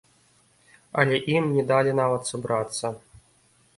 Але ім не далі нават сабрацца.